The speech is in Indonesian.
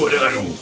kau tak mau